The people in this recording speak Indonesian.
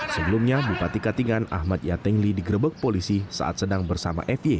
sebelumnya bupati katingan ahmad yatengli digrebek polisi saat sedang bersama f y